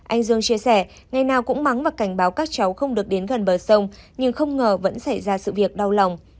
anh dương chia sẻ ngày nào cũng mắng và cảnh báo các cháu không được đến gần bờ sông nhưng không ngờ vẫn xảy ra sự việc đau lòng